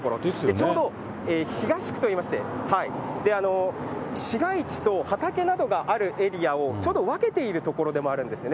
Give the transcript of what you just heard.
ちょうど東区といいまして、市街地と畑などがあるエリアをちょうど分けている所でもあるんですよね。